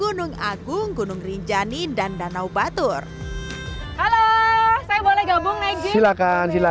ini datang dari mana sama siapa saja